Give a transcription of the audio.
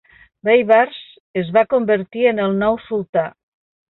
Bàybars es va convertir en el nou sultà.